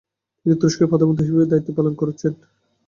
তিনি তুরস্কের প্রধানমন্ত্রী হিসেবে দায়িত্বপালন করেছেন।